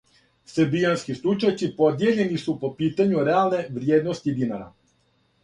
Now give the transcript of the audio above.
Србијански стручњаци подијељени су по питању реалне вриједности динара.